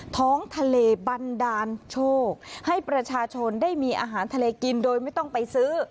ท้องทะเลบันดาลโชคให้ประชาชนได้มีอาหารทะเลกินโดยไม่ต้องไปซื้อ